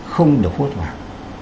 không được hút hoặc